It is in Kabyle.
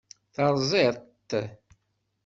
Terẓid-t?